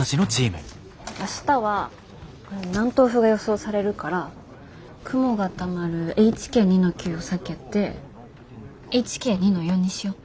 明日は南東風が予想されるから雲がたまるＨＫ２−９を避けてＨＫ２−４にしよう。